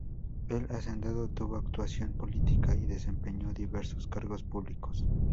El hacendado tuvo actuación política y desempeñó diversos cargos públicos.